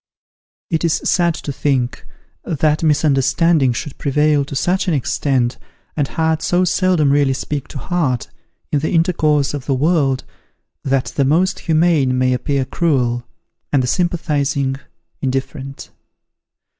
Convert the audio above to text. It is sad to think, that misunderstanding should prevail to such an extent, and heart so seldom really speak to heart, in the intercourse of the world, that the most humane may appear cruel, and the sympathizing indifferent.